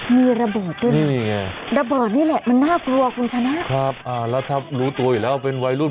มีระเบิดด้วยนะนี่ไงระเบิดนี่แหละมันน่ากลัวคุณชนะครับอ่าแล้วถ้ารู้ตัวอยู่แล้วเป็นวัยรุ่น